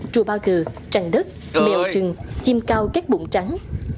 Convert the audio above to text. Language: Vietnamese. trù bao cờ trằng đất mèo trừng chim cao các bụng trắng